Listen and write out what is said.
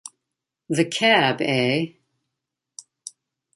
The cab, eh?